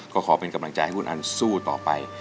ก็ขอเป็นกำลังใจให้คุณอันสู้ต่อไป